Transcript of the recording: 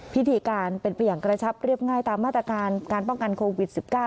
พิธีการเป็นไปอย่างกระชับเรียบง่ายตามมาตรการการป้องกันโควิด๑๙